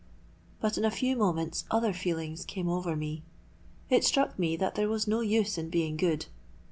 But in a few moments other feelings came over me: it struck me that there was no use in being good.